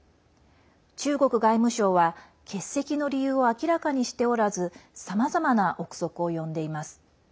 中国外務省は欠席の理由を明らかにしておらずさまざまな憶測を呼んでいます。